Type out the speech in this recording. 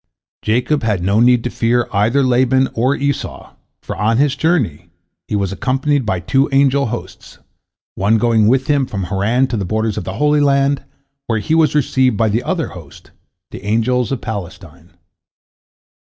" Jacob had no need to fear either Laban or Esau, for on his journey he was accompanied by two angel hosts, one going with him from Haran to the borders of the Holy Land, where he was received by the other host, the angels of Palestine.